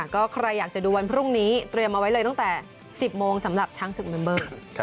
ก็ใครอยากจะดูวันพรุ่งนี้เตรียมเอาไว้เลยตั้งแต่๑๐โมงสำหรับช้างศึกเมมเบอร์